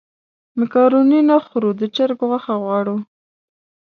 مېکاروني نه خورو د چرګ غوښه غواړو.